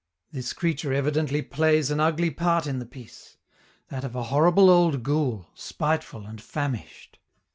This creature evidently plays an ugly part in the piece that of a horrible old ghoul, spiteful and famished.